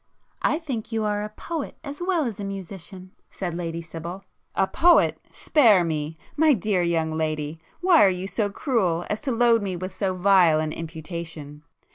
"I think you are a poet as well as a musician,"—said Lady Sibyl. "A poet! Spare me!—my dear young lady, why are you so cruel as to load me with so vile an imputation!